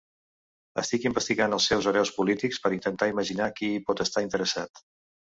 Estic investigant els seus hereus polítics per intentar imaginar qui hi pot estar interessat.